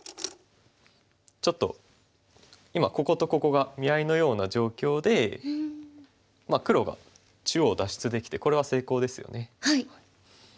ちょっと今こことここが見合いのような状況で黒が中央脱出できてこれは成功ですよね。